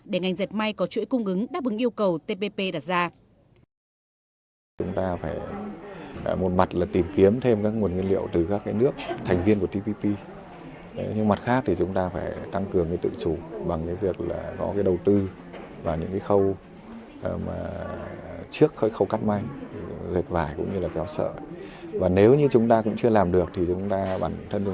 để ngành dệt may có chuỗi cung ứng đáp ứng yêu cầu tpp đặt ra